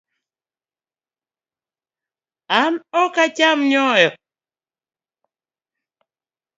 An ok acham nyoyo